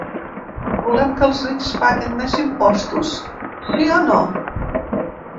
Volem que els rics paguin més impostos, sí o no?